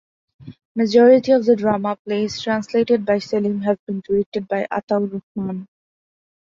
Majority of the drama plays translated by Selim have been directed by Ataur Rahman.